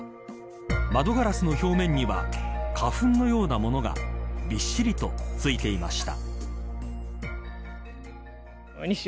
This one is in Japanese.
窓ガラスの表面には花粉のようなものがびっしりと付いていました。